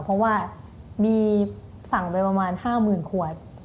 เพราะว่ามีสั่งไปประมาณ๕๐๐๐ขวด